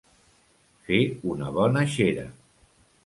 Fer una bona xera.